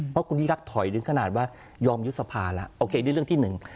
เพราะคุณยิ่งรักถอยถึงขนาดว่ายอมยุบสภาแล้วโอเคนี่เรื่องที่หนึ่ง